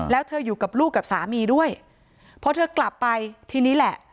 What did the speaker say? แล้วเธออยู่กับลูกกับสามีด้วยพอเธอกลับไปทีนี้แหละ